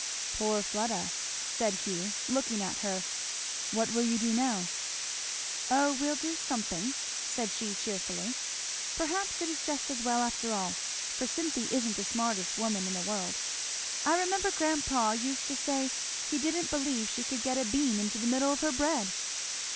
"Poor Fleda!" said Hugh looking at her. "What will you do now?" "O we'll do somehow," said she cheerfully. "Perhaps it is just as well after all, for Cynthy isn't the smartest woman in the world. I remember grandpa used to say he didn't believe she could get a bean into the middle of her bread."